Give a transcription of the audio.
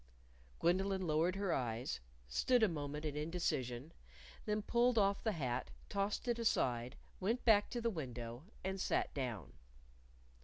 Gwendolyn lowered her eyes, stood a moment in indecision, then pulled off the hat, tossed it aside, went back to the window, and sat down.